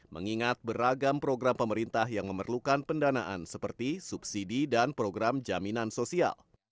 mengingat beragam program pemerintah yang memerlukan pendanaan seperti subsidi dan program jaminan sosial